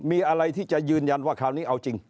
มีอะไรที่จะยืนยันว่าคราวนี้เอาจริง